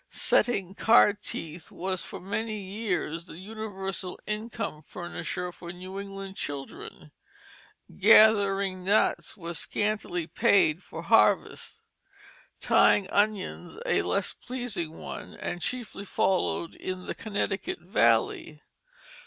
Setting card teeth was for many years the universal income furnisher for New England children. Gathering nuts was a scantily paid for harvest; tying onions a less pleasing one, and chiefly followed in the Connecticut Valley.